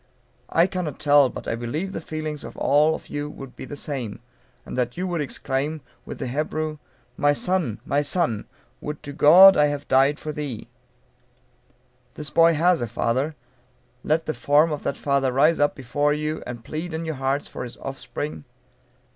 I cannot tell, but I believe the feelings of all of you would be the same, and that you would exclaim, with the Hebrew, "My son! my son! would to God I had died for thee." This boy has a father; let the form of that father rise up before you, and plead in your hearts for his offspring.